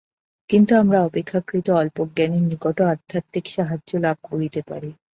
কিন্তু আমরা অপেক্ষাকৃত অল্পজ্ঞানীর নিকটও আধ্যাত্মিক সাহায্য লাভ করিতে পারি।